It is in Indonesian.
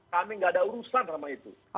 kami nggak ada urusan sama itu